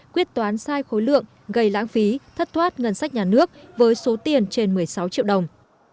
quyết toán sai khối lượng gây lãng phí thất thoát ngân sách nhà nước với số tiền trên một mươi sáu triệu đồng